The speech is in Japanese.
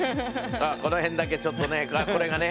この辺だけちょっとねこれがね。